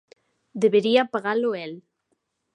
Debería pagalo el.